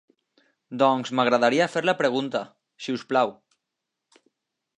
Doncs m'agradaria fer la pregunta, si us plau.